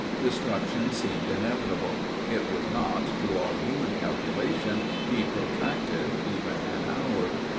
Destruction seemed inevitable. It would not, to all human calculation, be protracted even an hour.